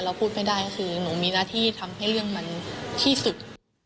พูดไม่ได้ก็คือหนูมีหน้าที่ทำให้เรื่องมันที่สุด